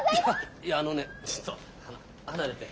いやあのねちょっと離れて。